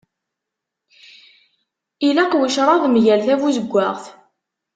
Ilaq ucraḍ mgal tabuzeggaɣt.